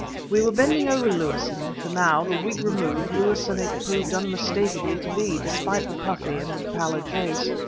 We were bending over Lewison; for now, the wig removed, Lewison it proved unmistakably to be, despite the puffy and pallid face.